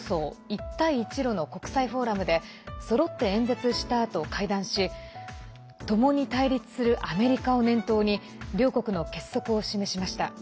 一帯一路の国際フォーラムでそろって演説したあと会談し共に対立するアメリカを念頭に両国の結束を示しました。